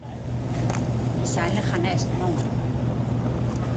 Quizá en Leganés, non.